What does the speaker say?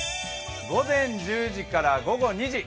午前１０時から午後２時。